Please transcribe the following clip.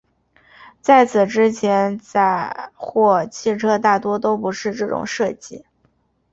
在此之前载货汽车大多都不是这种设计。